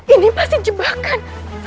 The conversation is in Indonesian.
ini pasti jebakan